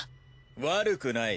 悪くない。